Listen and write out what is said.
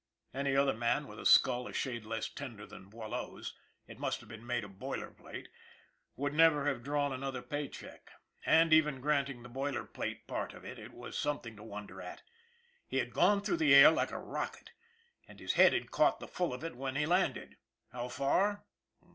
Any other man with a skull a shade less tender than Boileau's it must have been made of boiler plate would never have drawn another pay check. And even granting the boiler plate part of it, it was some thing to wonder at. He had gone through the air like a rocket, and his head had caught the full of it when he landed. How far?